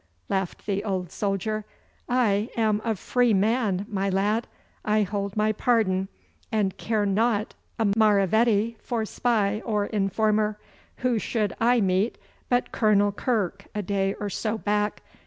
laughed the old soldier. 'I am a free man, my lad! I hold my pardon, and care not a maravedi for spy or informer. Who should I meet but Colonel Kirke a day or so back.